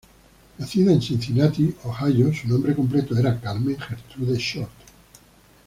Nacida en Cincinnati, Ohio, su nombre completo era Carmen Gertrude Short.